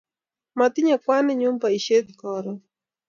Matinye kwaninyu poishet karon